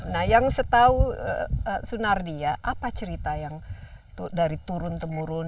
nah yang setahu sunardi ya apa cerita yang dari turun temurun